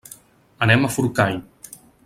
Anem a Forcall.